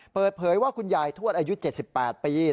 เปิดเผยว่าคุณยายทวดอายุ๗๘ปี